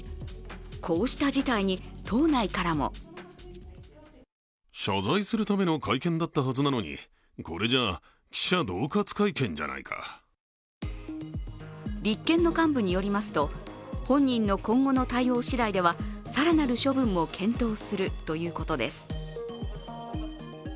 こうした事態に党内からも立憲の幹部によりますと本人の今後の対応次第では更なる処分も検討するということです。